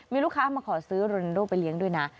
มีลูกค้ามาขอซื้อโรนโดไปเลี้ยงด้วยนะ